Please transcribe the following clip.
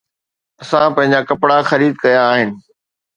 اسان پنهنجا ڪپڙا خريد ڪيا آهن